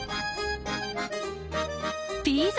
ピザ！